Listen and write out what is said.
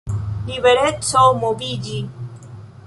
Libereco moviĝi.